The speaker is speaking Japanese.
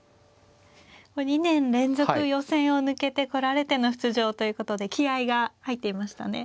２年連続予選を抜けてこられての出場ということで気合いが入っていましたね。